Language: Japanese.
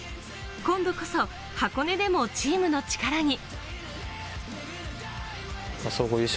今度こそ箱根でもチームの力に。